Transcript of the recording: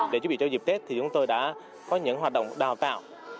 để chuẩn bị cho dịp tết thì chúng tôi đã có những hoạt động đào tạo